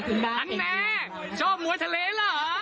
ขั้นแหน่จอบมวยทะเลเหรอ